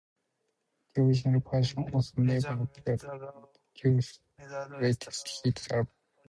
The original version also never appeared on the duo's greatest-hits album.